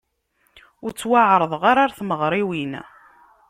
Ur ttwaεerḍeɣ ara ɣer tmeɣriwin.